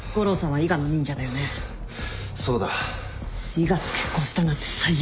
伊賀と結婚したなんて最悪。